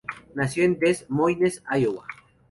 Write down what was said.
Nació en Des Moines, Iowa.